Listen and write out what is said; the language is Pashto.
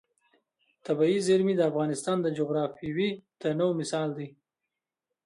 طبیعي زیرمې د افغانستان د جغرافیوي تنوع مثال دی.